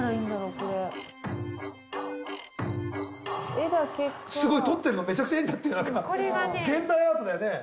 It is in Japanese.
これ絵だけかすごい撮ってるのめちゃくちゃ絵になってる現代アートだよね？